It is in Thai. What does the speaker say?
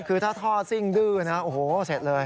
คือถ้าท่อซิ่งดื้อนะโอ้โหเสร็จเลย